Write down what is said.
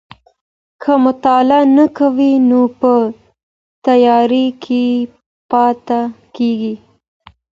که مطالعه نه کوې نو په تياره کي پاته کېږې.